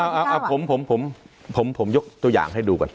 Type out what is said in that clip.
อ่าอ่าอ่าผมผมผมผมผมยกตัวอย่างให้ดูก่อน